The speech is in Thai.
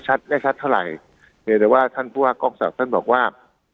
ไม่ชัดเท่าไหร่เพียงแต่ว่าท่านผู้ว่ากองศักดิ์ท่านบอกว่า